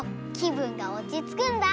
ぶんがおちつくんだ！